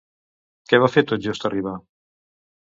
Què va fer tot just arribar?